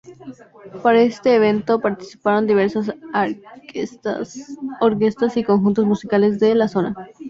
Para este evento participaron diversas orquestas y conjuntos musicales de la zona.